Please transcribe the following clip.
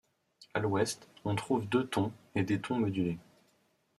À l'ouest, on trouve deux tons et des tons modulés.